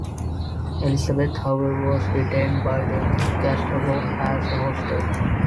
Elisabeth, however, was detained by the Gestapo as a hostage.